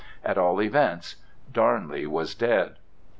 At all events, Darnley was dead.